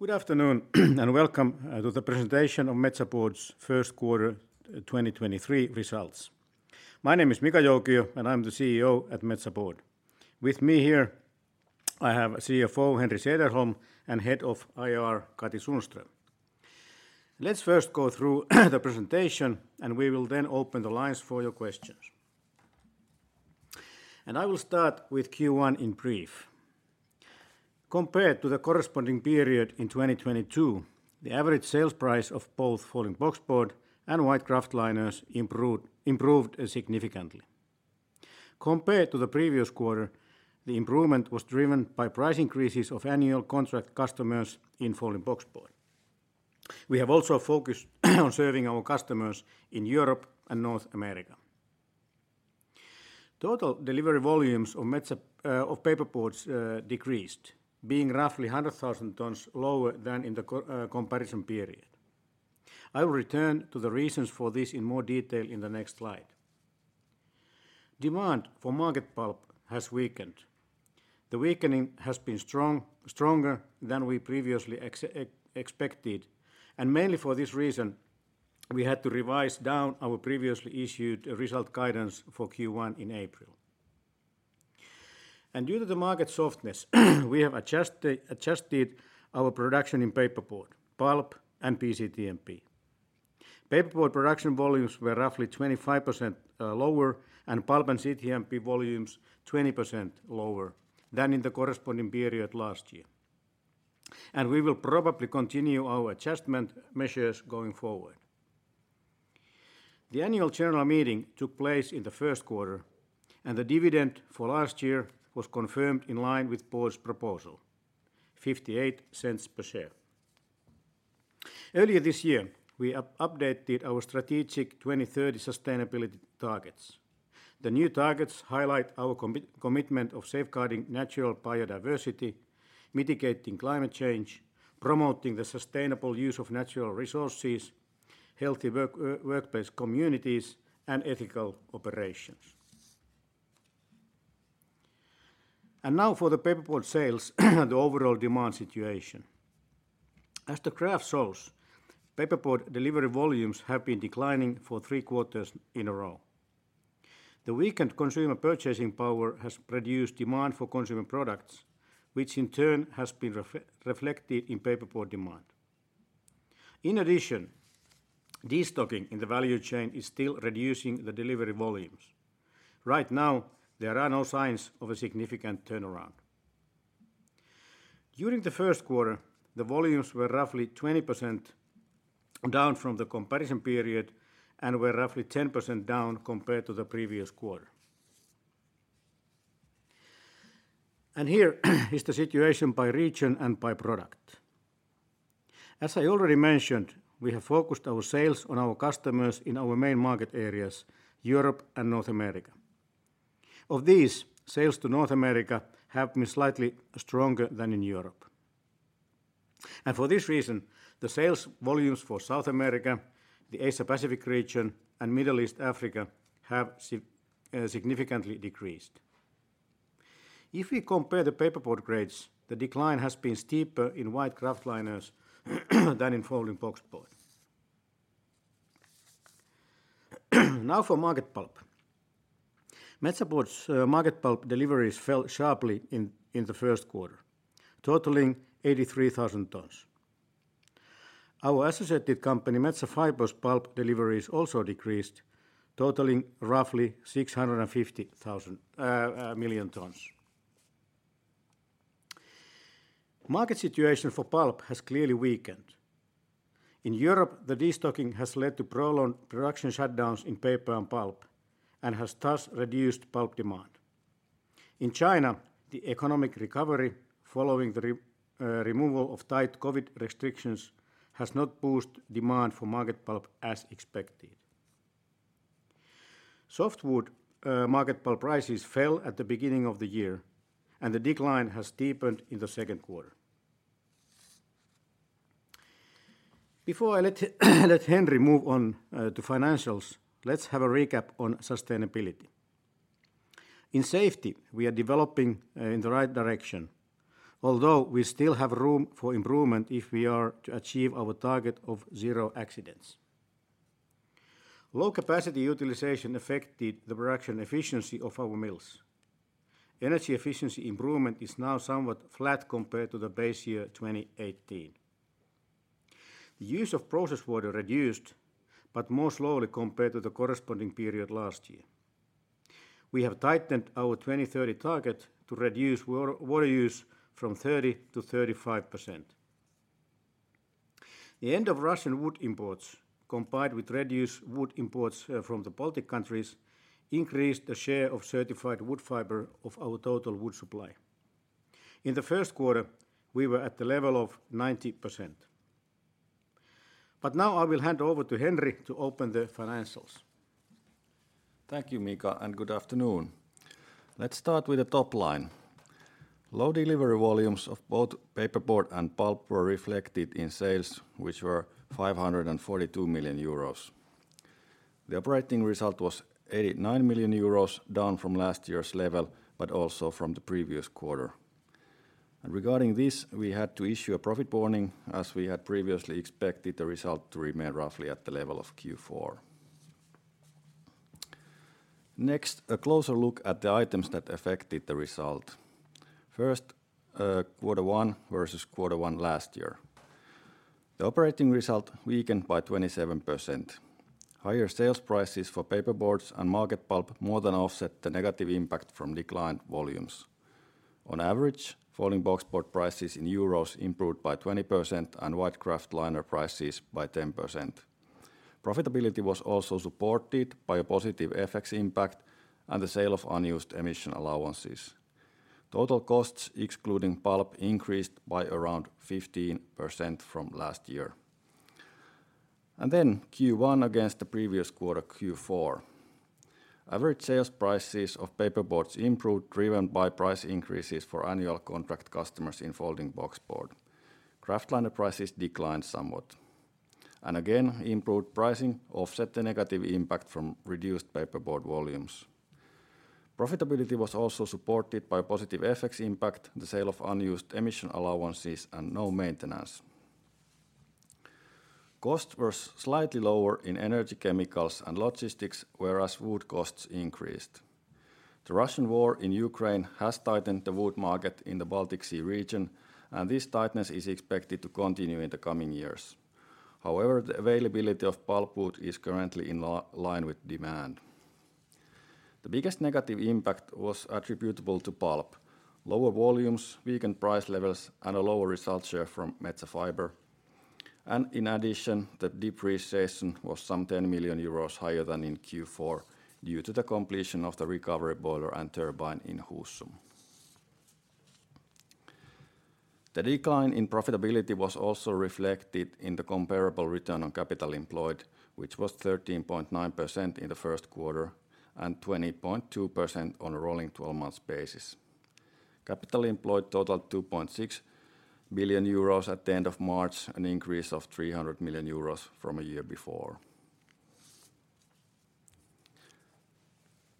Good afternoon and welcome to the presentation of Metsä Board's first quarter 2023 results. My name is Mika Joukio, and I'm the CEO at Metsä Board. With me here I have CFO Henri Sederholm and Head of IR Katri Sundström. Let's first go through the presentation, and we will then open the lines for your questions. I will start with Q1 in brief. Compared to the corresponding period in 2022, the average sales price of both folding boxboard and white kraftliner improved significantly. Compared to the previous quarter, the improvement was driven by price increases of annual contract customers in folding boxboard. We have also focused on serving our customers in Europe and North America. Total delivery volumes of paperboards decreased, being roughly 100,000 tons lower than in the comparison period. I will return to the reasons for this in more detail in the next slide. Demand for market pulp has weakened. The weakening has been strong, stronger than we previously expected, mainly for this reason, we had to revise down our previously issued result guidance for Q1 in April. Due to the market softness, we have adjusted our production in paperboard, pulp, and BCTMP. Paperboard production volumes were roughly 25% lower, and pulp and CTMP volumes 20% lower than in the corresponding period last year. We will probably continue our adjustment measures going forward. The annual general meeting took place in the first quarter. The dividend for last year was confirmed in line with board's proposal, 0.58 per share. Earlier this year, we updated our strategic 2030 sustainability targets. The new targets highlight our commitment of safeguarding natural biodiversity, mitigating climate change, promoting the sustainable use of natural resources, healthy work, workplace communities, and ethical operations. Now for the paperboard sales and the overall demand situation. As the graph shows, paperboard delivery volumes have been declining for three quarters in a row. The weakened consumer purchasing power has reduced demand for consumer products, which in turn has been reflected in paperboard demand. In addition, destocking in the value chain is still reducing the delivery volumes. Right now, there are no signs of a significant turnaround. During the first quarter, the volumes were roughly 20% down from the comparison period and were roughly 10% down compared to the previous quarter. Here is the situation by region and by product. As I already mentioned, we have focused our sales on our customers in our main market areas, Europe and North America. Of these, sales to North America have been slightly stronger than in Europe. For this reason, the sales volumes for South America, the Asia Pacific region, and Middle East Africa have significantly decreased. If we compare the paperboard grades, the decline has been steeper in white kraftliners than in folding boxboard. Now for market pulp. Metsä Board's market pulp deliveries fell sharply in the first quarter, totaling 83,000 tons. Our associated company, Metsä Fibre' pulp deliveries also decreased, totaling roughly 650,000 million tons. Market situation for pulp has clearly weakened. In Europe, the destocking has led to prolonged production shutdowns in paper and pulp and has thus reduced pulp demand. In China, the economic recovery following the removal of tight COVID restrictions has not boosted demand for market pulp as expected. Softwood market pulp prices fell at the beginning of the year, and the decline has deepened in the second quarter. Before I let Henri move on to financials, let's have a recap on sustainability. In safety, we are developing in the right direction, although we still have room for improvement if we are to achieve our target of zero accidents. Low capacity utilization affected the production efficiency of our mills. Energy efficiency improvement is now somewhat flat compared to the base year 2018. The use of process water reduced, but more slowly compared to the corresponding period last year. We have tightened our 2030 target to reduce water use from 30 to 35%. The end of Russian wood imports, combined with reduced wood imports from the Baltic countries, increased the share of certified wood fiber of our total wood supply. In the first quarter, we were at the level of 90%. Now I will hand over to Henri to open the financials. Thank you, Mika, and good afternoon. Let's start with the top line. Low delivery volumes of both paperboard and pulp were reflected in sales, which were 542 million euros. The operating result was 89 million euros, down from last year's level, but also from the previous quarter. Regarding this, we had to issue a profit warning as we had previously expected the result to remain roughly at the level of Q4. Next, a closer look at the items that affected the result. First, quarter one versus quarter one last year. The operating result weakened by 27%. Higher sales prices for paperboards and market pulp more than offset the negative impact from declined volumes. On average, folding boxboard prices in euros improved by 20% and white kraftliner prices by 10%. Profitability was also supported by a positive FX impact and the sale of unused emission allowances. Total costs, excluding pulp, increased by around 15% from last year. Q1 against the previous quarter, Q4. Average sales prices of paperboards improved, driven by price increases for annual contract customers in folding boxboard. kraftliner prices declined somewhat. Again, improved pricing offset the negative impact from reduced paperboard volumes. Profitability was also supported by positive FX impact, the sale of unused emission allowances, and no maintenance. Costs were slightly lower in energy chemicals and logistics, whereas wood costs increased. The Russian war in Ukraine has tightened the wood market in the Baltic Sea region, and this tightness is expected to continue in the coming years. However, the availability of pulpwood is currently in line with demand. The biggest negative impact was attributable to pulp. Lower volumes weakened price levels and a lower result share from Metsä Fibre. In addition, the depreciation was some EUR 10 million higher than in Q4 due to the completion of the recovery boiler and turbine in Husum. The decline in profitability was also reflected in the comparable return on capital employed, which was 13.9% in the first quarter and 20.2% on a rolling 12 months basis. Capital employed totaled 2.6 billion euros at the end of March, an increase of 300 million euros from a year before.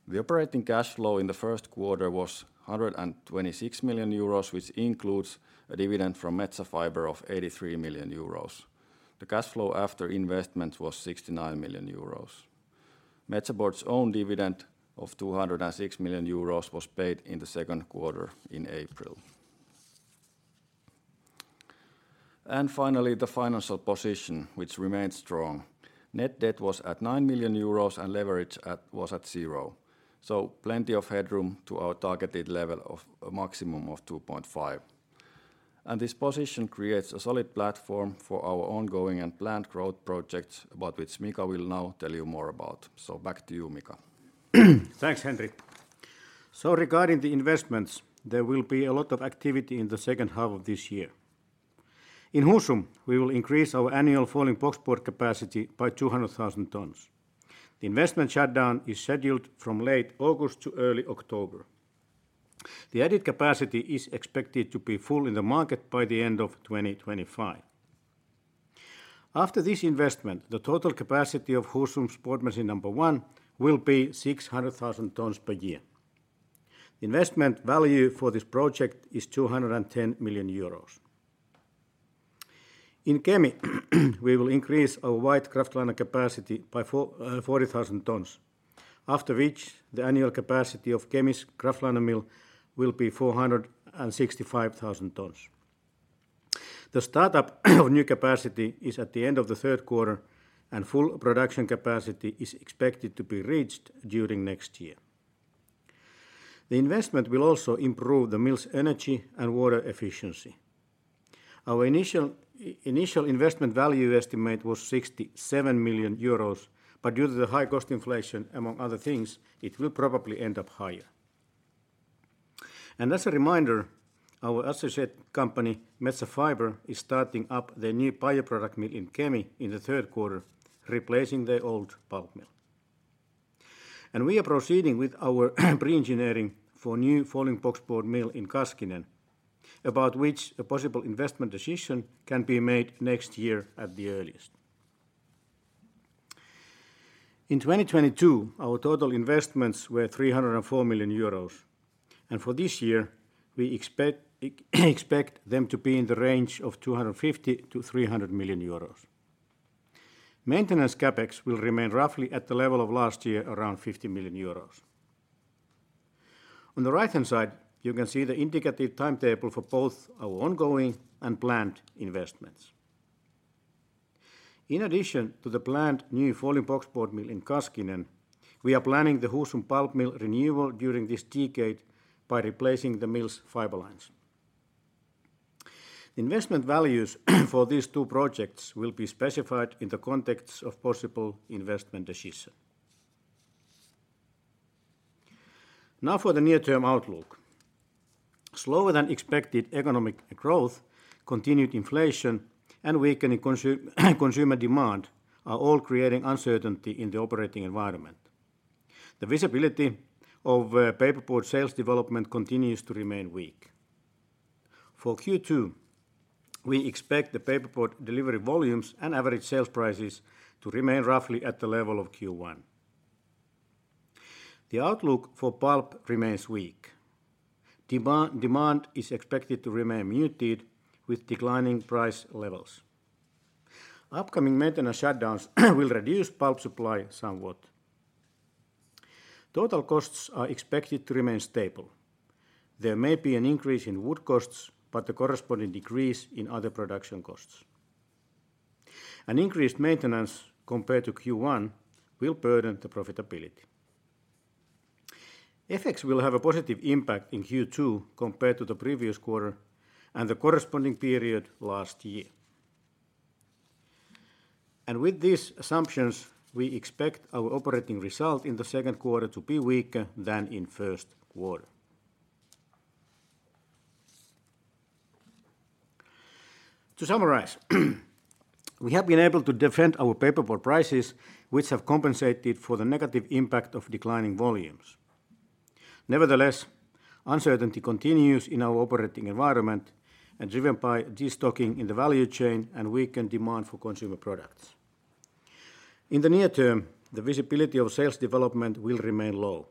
The operating cash flow in the first quarter was 126 million euros, which includes a dividend from Metsä Fibre of 83 million euros. The cash flow after investment was 69 million euros. Metsä Board's own dividend of 206 million euros was paid in the second quarter in April. Finally, the financial position, which remained strong. Net debt was at 9 million euros and leverage was at zero, so plenty of headroom to our targeted level of a maximum of 2.5. This position creates a solid platform for our ongoing and planned growth projects, about which Mika will now tell you more about. Back to you, Mika. Thanks, Henri. Regarding the investments, there will be a lot of activity in the second half of this year. In Husum, we will increase our annual folding boxboard capacity by 200,000 tons. The investment shutdown is scheduled from late August to early October. The added capacity is expected to be full in the market by the end of 2025. After this investment, the total capacity of Husum's board machine 1 will be 600,000 tons per year. Investment value for this project is 210 million euros. In Kemi, we will increase our white kraftliner capacity by 40,000 tons, after which the annual capacity of Kemi's kraftliner mill will be 465,000 tons. The startup of new capacity is at the end of the third quarter, and full production capacity is expected to be reached during next year. The investment will also improve the mill's energy and water efficiency. Our initial investment value estimate was 67 million euros, but due to the high cost inflation, among other things, it will probably end up higher. As a reminder, our associate company, Metsä Fibre, is starting up their new bioproduct mill in Kemi in the third quarter, replacing their old pulp mill. We are proceeding with our pre-engineering for new folding boxboard mill in Kaskinen, about which a possible investment decision can be made next year at the earliest. In 2022, our total investments were 304 million euros, and for this year, we expect them to be in the range of 250 million-300 million euros. Maintenance CapEx will remain roughly at the level of last year, around 50 million euros. On the right-hand side, you can see the indicative timetable for both our ongoing and planned investments. In addition to the planned new folding boxboard mill in Kaskinen, we are planning the Husum pulp mill renewal during this decade by replacing the mill's fibre lines. Investment values for these two projects will be specified in the context of possible investment decision. Now for the near-term outlook. Slower than expected economic growth, continued inflation, and weakening consumer demand are all creating uncertainty in the operating environment. The visibility of paperboard sales development continues to remain weak. For Q2, we expect the paperboard delivery volumes and average sales prices to remain roughly at the level of Q1. The outlook for pulp remains weak. Demand is expected to remain muted with declining price levels. Upcoming maintenance shutdowns will reduce pulp supply somewhat. Total costs are expected to remain stable. There may be an increase in wood costs, but the corresponding decrease in other production costs. An increased maintenance compared to Q1 will burden the profitability. FX will have a positive impact in Q2 compared to the previous quarter and the corresponding period last year. With these assumptions, we expect our operating result in the second quarter to be weaker than in first quarter. To summarize, we have been able to defend our paperboard prices, which have compensated for the negative impact of declining volumes. Nevertheless, uncertainty continues in our operating environment and driven by destocking in the value chain and weakened demand for consumer products. In the near term, the visibility of sales development will remain low.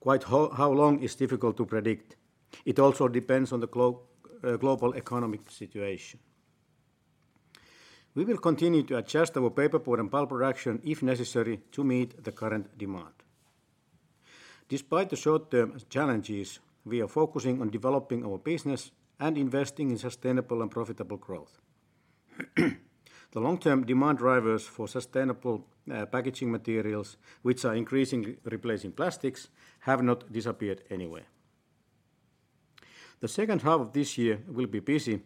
Quite how long is difficult to predict. It also depends on the global economic situation. We will continue to adjust our paperboard and pulp production if necessary to meet the current demand. Despite the short-term challenges, we are focusing on developing our business and investing in sustainable and profitable growth. The long-term demand drivers for sustainable packaging materials, which are increasingly replacing plastics, have not disappeared anywhere. The second half of this year will be busy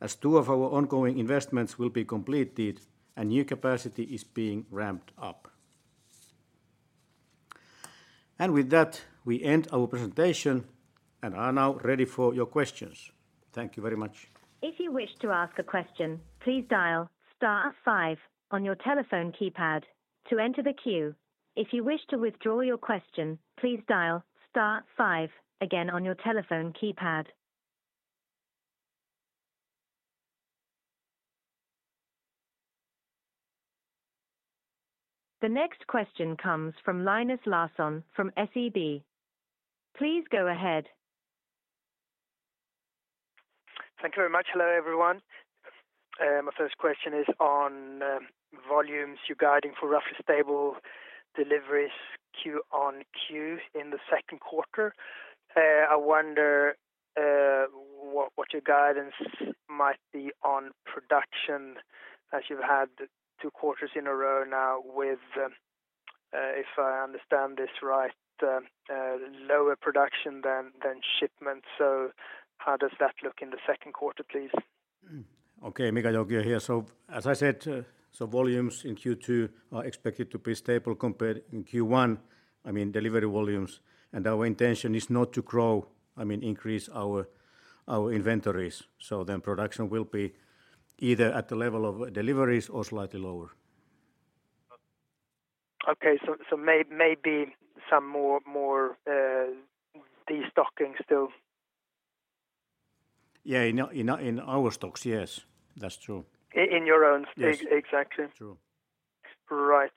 as two of our ongoing investments will be completed and new capacity is being ramped up. With that, we end our presentation and are now ready for your questions. Thank you very much. If you wish to ask a question, please dial star five on your telephone keypad to enter the queue. If you wish to withdraw your question, please dial star five again on your telephone keypad. The next question comes from Linus Larsson from SEB. Please go ahead. Thank you very much. Hello, everyone. My first question is on volumes you're guiding for roughly stable deliveries Q on Q in the second quarter. I wonder what your guidance might be on production as you've had two quarters in a row now with if I understand this right, lower production than shipments. How does that look in the second quarter, please? Okay. Mika Joukio here. As I said, volumes in Q2 are expected to be stable compared in Q1, I mean, delivery volumes. Our intention is not to grow, I mean, increase our inventories. Production will be either at the level of deliveries or slightly lower. Maybe some more destocking still? Yeah. In our stocks, yes. That's true. In your own- Yes. Exactly. True. Right.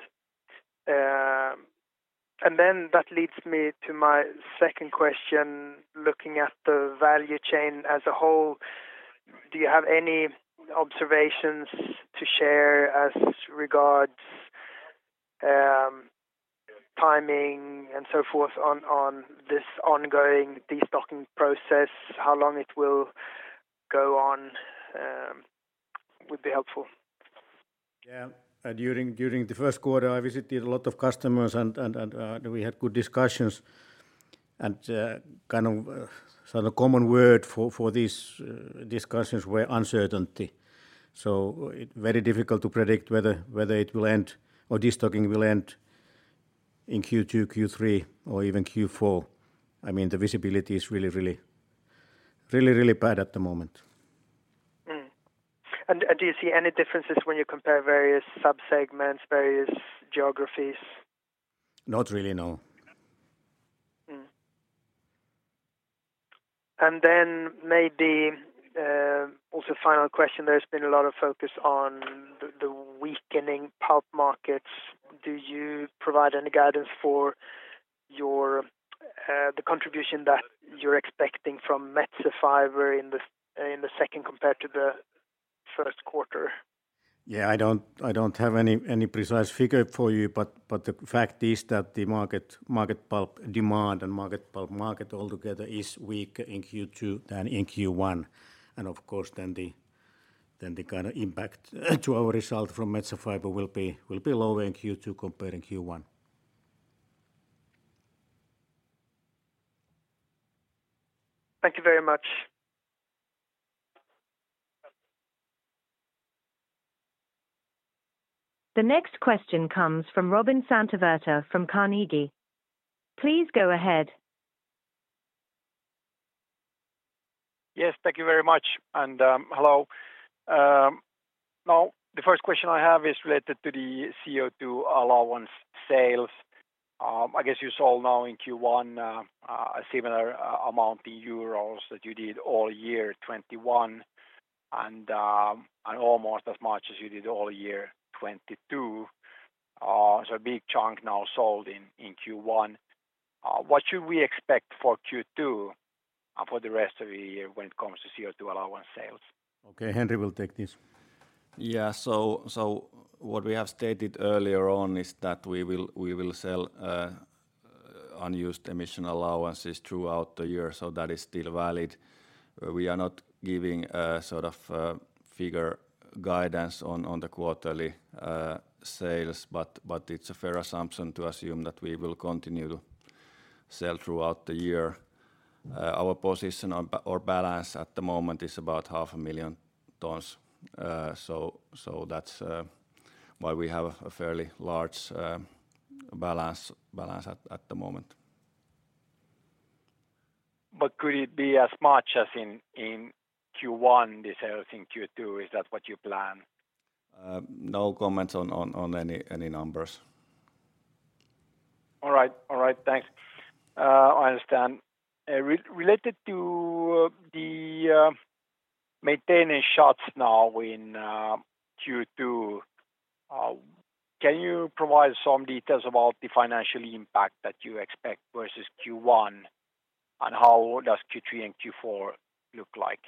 That leads me to my second question, looking at the value chain as a whole, do you have any observations to share as regards timing and so forth on this ongoing destocking process? How long it will go on, would be helpful. Yeah. During the first quarter, I visited a lot of customers and we had good discussions. Kind of, the common word for these discussions were uncertainty. It very difficult to predict whether it will end or destocking will end in Q2, Q3, or even Q4. I mean, the visibility is really bad at the moment. Mm-hmm. And do you see any differences when you compare various sub-segments, various geographies? Not really, no. Maybe, also final question. There's been a lot of focus on the weakening pulp markets. Do you provide any guidance for your, the contribution that you're expecting from Metsä Fibre in the, in the second compared to the first quarter? Yeah. I don't have any precise figure for you, but the fact is that the market pulp demand and market pulp market altogether is weaker in Q2 than in Q1. Of course then the kind of impact to our result from Metsä Fibre will be lower in Q2 compared in Q1. Thank you very much. The next question comes from Robin Santavirta from Carnegie. Please go ahead. Yes, thank you very much. Hello. The first question I have is related to the CO2 allowance sales. I guess you saw now in Q1, a similar amount in EUR that you did all year 2021, and almost as much as you did all year 2022. A big chunk now sold in Q1. What should we expect for Q2 for the rest of the year when it comes to CO2 allowance sales? Okay. Henri will take this. What we have stated earlier on is that we will sell unused emission allowances throughout the year, so that is still valid. We are not giving a sort of figure guidance on the quarterly sales, but it's a fair assumption to assume that we will continue to sell throughout the year. Our position on or balance at the moment is about 500,000 tons. That's why we have a fairly large balance at the moment. Could it be as much as in Q1, the sales in Q2? Is that what you plan? No comments on any numbers. All right. All right. Thanks. I understand. Related to the maintaining shutdowns now in Q2, can you provide some details about the financial impact that you expect versus Q1? How does Q3 and Q4 look like?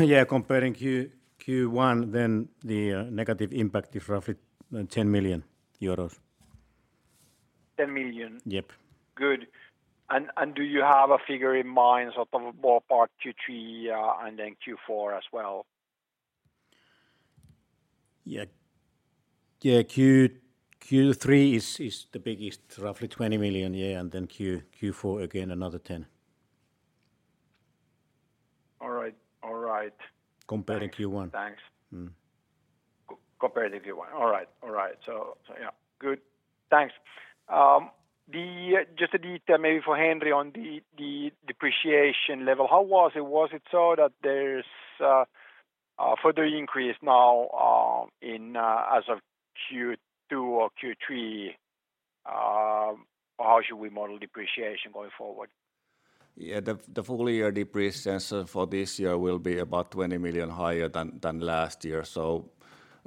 Yeah. Comparing Q1, the negative impact is roughly 10 million euros. 10 million? Yep. Good. Do you have a figure in mind, sort of ballpark Q3, and then Q4 as well? Yeah. Yeah. Q3 is the biggest, roughly 20 million. Yeah. Then Q4, again, another 10. All right. All right. Comparing Q1. Thanks. Mm-hmm. Compared to Q1. All right. All right. Yeah. Good. Thanks. Just a detail maybe for Henri Sederholm on the depreciation level. How was it? Was it so that there's a further increase now, as of Q2 or Q3? How should we model depreciation going forward? Yeah. The full year depreciation for this year will be about 20 million higher than last year.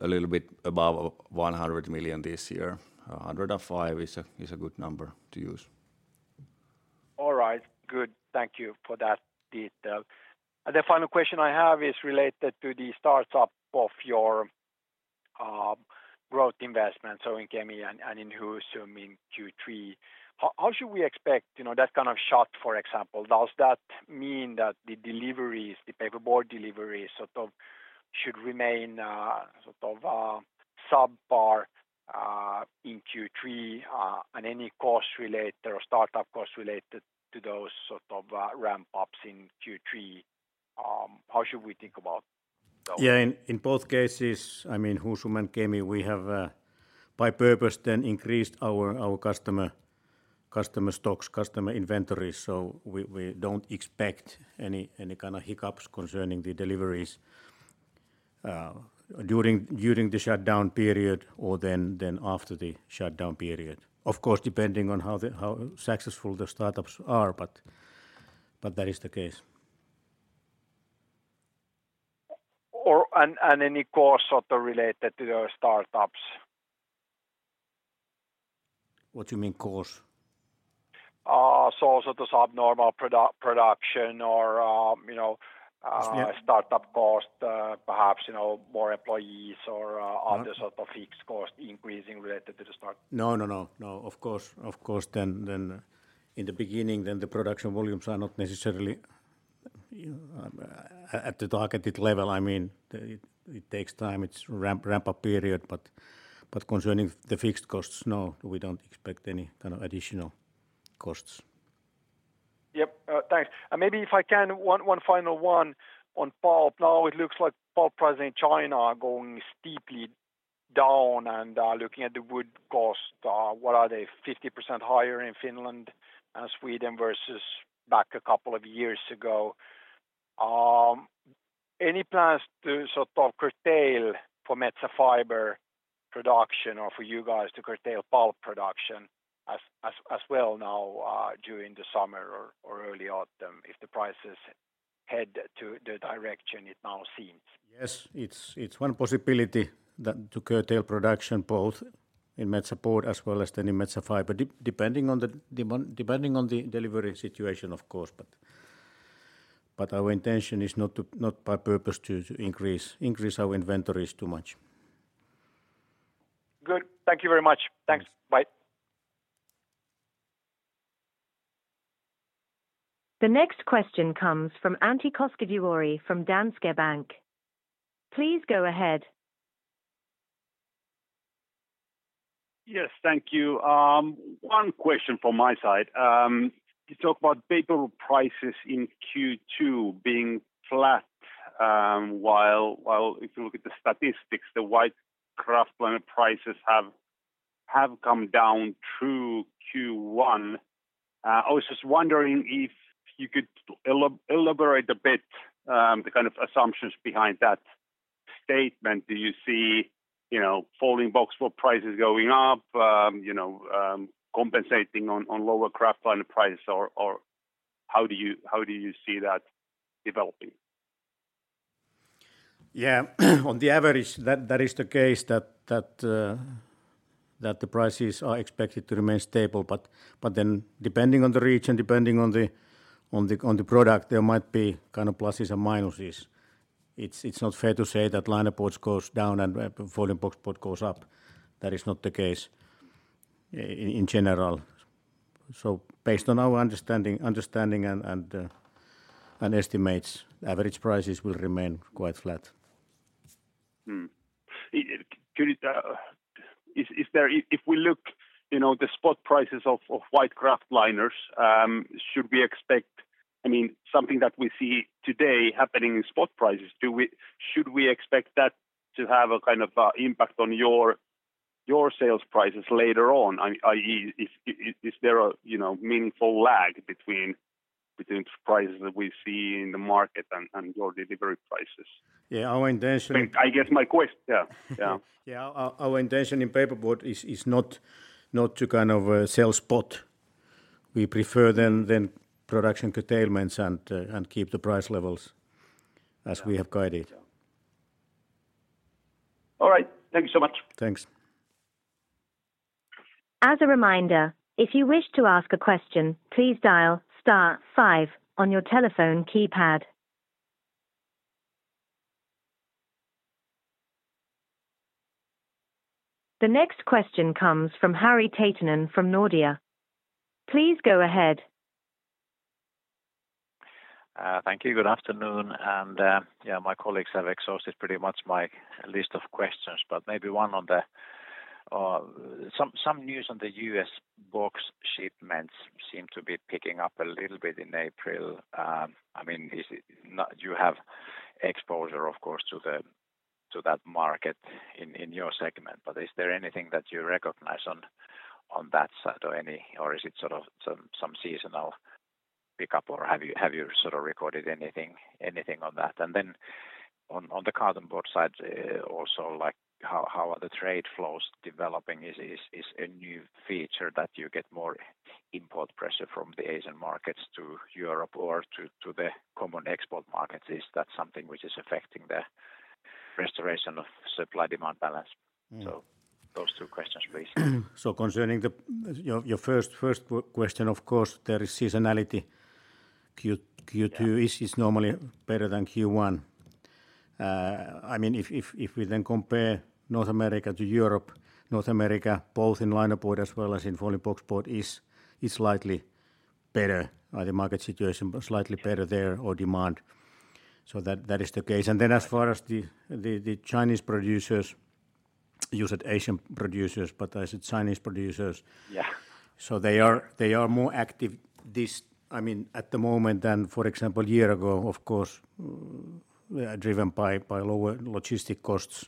A little bit above 100 million this year. 105 is a good number to use. All right. Good. Thank you for that detail. The final question I have is related to the startup of your growth investment, so in Kemi and in Husum in Q3. How should we expect, you know, that kind of shut, for example, does that mean that the deliveries, the paperboard deliveries sort of should remain sort of subpar in Q3? Any cost relate or startup cost related to those sort of ramp-ups in Q3, how should we think about those? Yeah. In both cases, I mean, Husum and Kemi, we have, by purpose then increased our customer stocks, customer inventory. We don't expect any kind of hiccups concerning the deliveries during the shutdown period or then after the shutdown period. Of course, depending on how successful the startups are, that is the case. Any costs sort of related to the startups? What do you mean costs? sort of subnormal production or, you know. Yeah startup cost, perhaps, you know, more employees or. Uh... other sort of fixed cost increasing related to the startup. No, no. No. Of course. Of course, then in the beginning, then the production volumes are not necessarily at the targeted level. I mean, it takes time. It's ramp-up period. Concerning the fixed costs, no, we don't expect any kind of additional costs. Yep. Thanks. Maybe if I can, one final one on pulp. Now it looks like pulp price in China are going steeply down. Looking at the wood cost, what are they? 50% higher in Finland and Sweden versus back a couple of years ago. Any plans to sort of curtail for Metsä Fibre production or for you guys to curtail pulp production as well now during the summer or early autumn if the prices head to the direction it now seems? Yes. It's one possibility then to curtail production both in Metsä Board as well as then in Metsä Fibre depending on the demand, depending on the delivery situation, of course. Our intention is not to, not by purpose to increase our inventories too much. Good. Thank you very much. Thanks. Bye. The next question comes from Antti Koskivuori from Danske Bank. Please go ahead. Yes. Thank you. One question from my side. You talk about paper prices in Q2 being flat, while if you look at the statistics, the white Kraftliner prices have come down through Q1. I was just wondering if you could elaborate a bit, the kind of assumptions behind that statement. Do you see, you know, folding boxboard prices going up, you know, compensating on lower Kraftliner prices? Or how do you, how do you see that developing? Yeah. On the average, that is the case that the prices are expected to remain stable. Depending on the region, depending on the product, there might be kind of pluses and minuses. It's not fair to say that linerboard goes down and folding boxboard goes up. That is not the case in general. Based on our understanding and estimates, average prices will remain quite flat. Kati, is there, if we look, you know, the spot prices of white kraftliners, should we expect... I mean, something that we see today happening in spot prices, should we expect that to have a kind of impact on your sales prices later on? I.e., is there a, you know, meaningful lag between prices that we see in the market and your delivery prices? Yeah. Our intention- I guess my quest- Yeah. Yeah. Yeah. Our intention in paperboard is not to kind of sell spot. We prefer then production curtailments and keep the price levels as we have guided. All right. Thank you so much. Thanks. As a reminder, if you wish to ask a question, please dial star five on your telephone keypad. The next question comes from Harri Taittonen from Nordea. Please go ahead. Thank you. Good afternoon. Yeah, my colleagues have exhausted pretty much my list of questions, but maybe one on the some news on the U.S. box shipments seem to be picking up a little bit in April. I mean, is it? You have exposure, of course, to that market in your segment. Is there anything that you recognize on that side or any? Is it sort of some seasonal pickup, or have you recorded anything on that? Then on the carton board side, also, like how are the trade flows developing? Is a new feature that you get more import pressure from the Asian markets to Europe or to the common export markets? Is that something which is affecting the restoration of supply-demand balance? Mm. Those two questions, please. concerning your first question, of course, there is seasonality. Yeah. Q-Q2 is normally better than Q1. I mean, if we then compare North America to Europe, North America, both in linerboard as well as in folding boxboard, is slightly better. The market situation but slightly better there or demand. That is the case. As far as the Chinese producers, you said Asian producers, but I said Chinese producers. Yeah. They are more active this, I mean, at the moment than, for example, a year ago, of course, driven by lower logistic costs.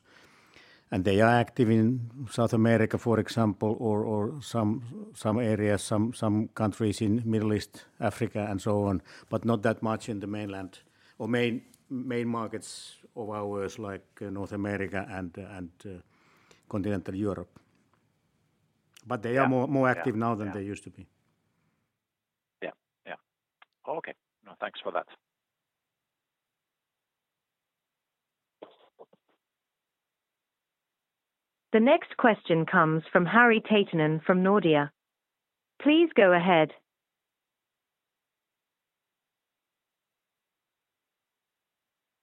They are active in South America, for example, or some areas, some countries in Middle East, Africa, and so on, but not that much in the mainland or main markets of ours like North America and Continental Europe. Yeah. Yeah. Yeah. They are more active now than they used to be. Yeah. Yeah. Okay. No, thanks for that. The next question comes from Harri Taittonen from Nordea. Please go ahead.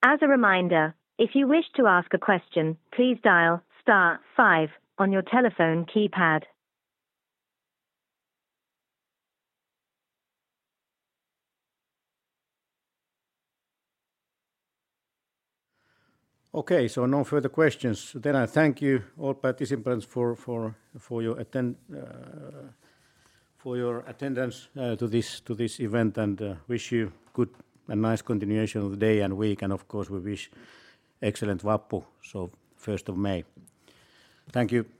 As a reminder, if you wish to ask a question, please dial star five on your telephone keypad. Okay. No further questions. I thank you all participants for your attendance to this, to this event and wish you good and nice continuation of the day and week. Of course, we wish excellent Vappu, so 1st of May. Thank you.